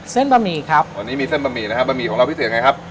บะหมี่ครับวันนี้มีเส้นบะหมี่นะครับบะหมี่ของเราพิเศษยังไงครับ